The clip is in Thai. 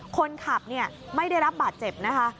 คนขับไม่ได้รับบาดเจ็บนะคะ